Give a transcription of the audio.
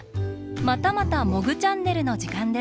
またまた「モグチャンネル」のじかんです。